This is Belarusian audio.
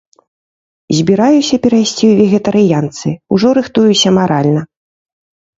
Збіраюся перайсці ў вегетарыянцы, ужо рыхтуюся маральна.